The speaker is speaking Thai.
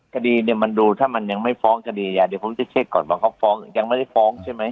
คดีเนี่ยมันดูถ้ามันยังไม่ฟ้องคดีอ่ะเดี๋ยวผมจะเช็คก่อนว่าเขาฟ้องยังไม่ได้ฟ้องใช่ไหม